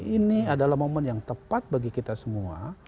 ini adalah momen yang tepat bagi kita semua